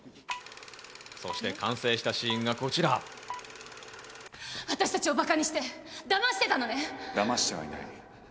そして完成したシーンがこち私たちを馬鹿にして、だましだましてはいない。